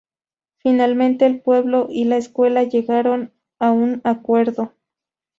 Finalmente, el pueblo y la escuela llegaron a un acuerdo.